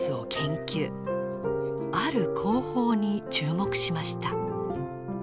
ある工法に注目しました。